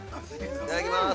◆いただきます。